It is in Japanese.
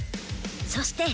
そして。